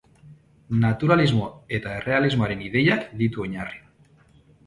Naturalismo eta errealismoaren ideiak ditu oinarri.